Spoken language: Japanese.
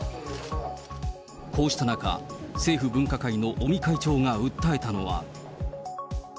こうした中、政府分科会の尾身会長が訴えたのは。